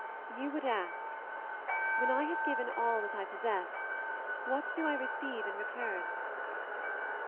You would ask, 'When I have given all that I possess, what do I receive in return?'